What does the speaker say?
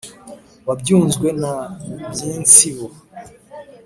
wa byunzwe na byintsibo,